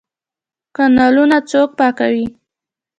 کانالونه څوک پاکوي؟